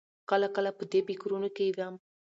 کله کله په دې فکرونو کې وم.